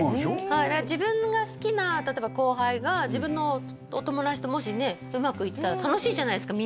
はい自分が好きな例えば後輩が自分のお友達ともしねうまくいったら楽しいじゃないですか